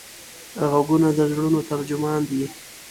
غوږونه د زړونو ترجمان دي